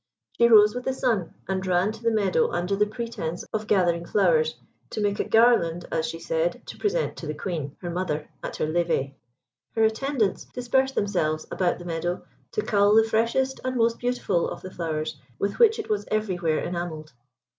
She rose with the sun, and ran to the meadow under the pretence of gathering flowers to make a garland, as she said, to present to the Queen, her mother, at her levée. Her attendants dispersed themselves about the meadow to cull the freshest and most beautiful of the flowers with which it was everywhere enamelled.